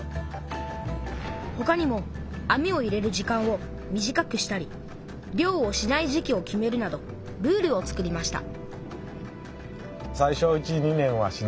ほかにも網を入れる時間を短くしたり漁をしない時期を決めるなどルールを作りました